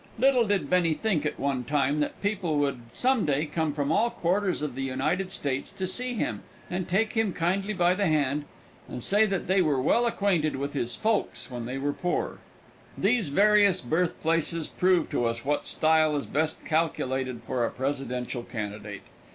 Little did Bennie think at one time that people would some day come from all quarters of the United States to see him and take him kindly by the hand and say that they were well acquainted with his folks when they were poor. These various birthplaces prove to us what style is best calculated for a presidential candidate.